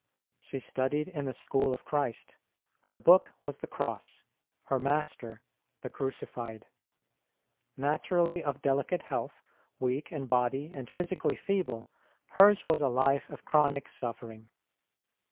She studied in the school of Christ ; her book was the Cross; her Master the Crucified. Naturally of delicate health, weak in body, and physically INTRODUCTION 15 feeble, hers was a life of chronic suffering.